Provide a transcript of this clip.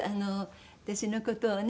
私の事をね